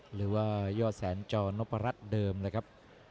หรือว่ายอดแสนจนพรัชเดิมนะครับ